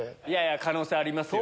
可能性ありますよ。